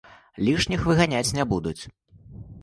Лішніх выганяць не будуць.